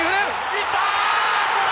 いった！